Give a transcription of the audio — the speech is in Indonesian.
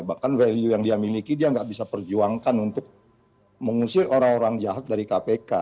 bahkan value yang dia miliki dia nggak bisa perjuangkan untuk mengusir orang orang jahat dari kpk